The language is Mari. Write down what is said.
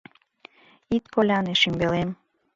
Ит коляне, шӱмбелем